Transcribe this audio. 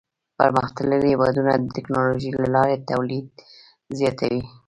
پرمختللي هېوادونه د ټکنالوژۍ له لارې تولید زیاتوي.